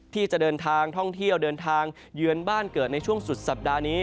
ที่จะเดินทางท่องเที่ยวเดินทางเยือนบ้านเกิดในช่วงสุดสัปดาห์นี้